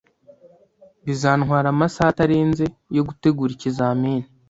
Bizantwara amasaha atarenze yo gutegura ikizamini